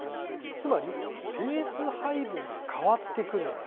つまりペース配分が変わってくる。